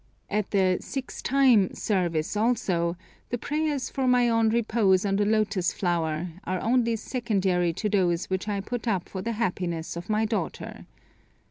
At the 'six time' service, also, the prayers for my own repose on the lotus flower, are only secondary to those which I put up for the happiness of my daughter.